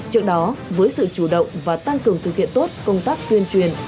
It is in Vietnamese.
trước đó với sự chủ động và tăng cường thực hiện tốt công tác tuyên truyền